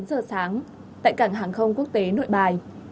tám giờ sáng tại cảng hàng không quốc tế nội bài